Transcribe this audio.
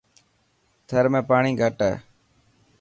ٿر ۾ پاڻي گھٽ هي.